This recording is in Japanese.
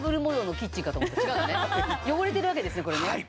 汚れてるわけですねこれね。